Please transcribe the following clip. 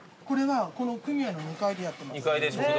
これはこの組合の２階でやってます。